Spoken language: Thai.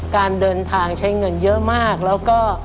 การเดินทางใช้เงินเยอะมากแล้วก็